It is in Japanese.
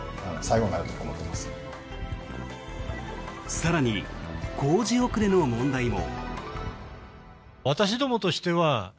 更に、工事遅れの問題も。